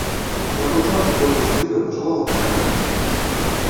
З таго часу колькасць віда пачала лакальна расці.